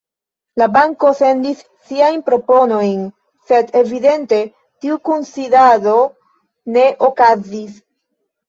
La banko sendis siajn proponojn, sed evidente tiu kunsidado ne okazis.